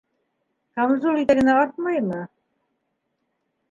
Камзул итәгенә артмаймы...